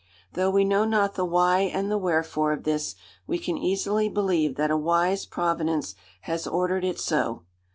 Though we know not the why and the wherefore of this, we can easily believe that a wise Providence has ordered it so.